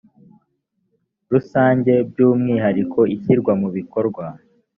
rusange by umwihariko ishyirwa mu bikorwa